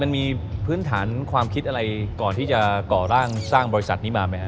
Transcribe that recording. มันมีพื้นฐานความคิดอะไรก่อนที่จะก่อร่างสร้างบริษัทนี้มาไหมครับ